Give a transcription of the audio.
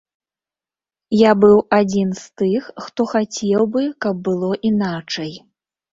Я быў адзін з тых, хто хацеў бы, каб было іначай.